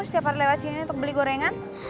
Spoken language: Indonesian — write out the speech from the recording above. setiap hari lewat sini untuk beli gorengan